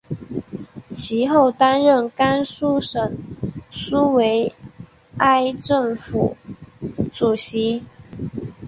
其后担任甘肃省苏维埃政府主席。